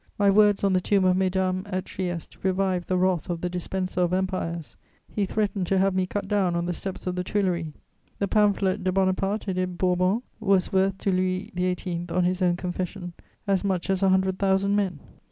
My words on the tomb of Mesdames at Trieste revived the wrath of the dispenser of empires; he threatened to have me cut down on the steps of the Tuileries. The pamphlet De Bonaparte et des Bourbons was worth to Louis XVIII., on his own confession, as much as a hundred thousand men.